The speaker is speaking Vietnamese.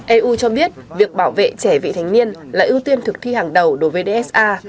eu cho biết việc bảo vệ trẻ vị thành niên là ưu tiên thực thi hàng đầu đối với dsa